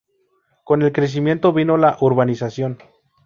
Con el crecimiento vino la urbanización.